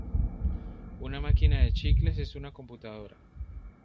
Una máquina de chicles es una computadora.